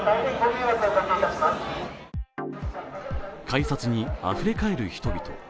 改札にあふれかえる人々。